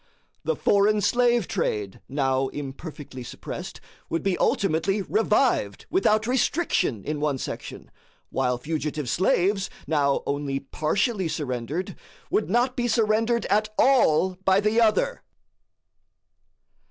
The foreign slave trade, now imperfectly suppressed, would be ultimately revived, without restriction, in one section, while fugitive slaves, now only partially surrendered, would not be surrendered at all by the other.